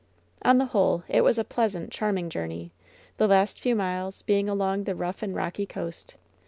On the whole, it was a pleasant, charming journey, the last few miles being along the rough and rocky coast.